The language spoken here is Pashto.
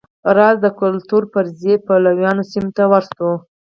راځئ د کلتور فرضیې پلویانو سیمې ته ورشو.